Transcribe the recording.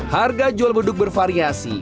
harga jual beduk bervariasi